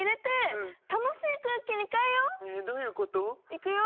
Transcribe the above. いくよ。